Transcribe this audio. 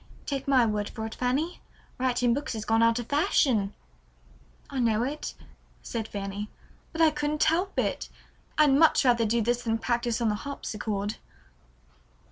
Take my word for it, Fanny, writing books has gone out of fashion." "I know it," said Fanny, "but I couldn't help it. I'd much rather do this than practice on the harpsichord."